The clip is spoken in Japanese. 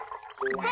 はい。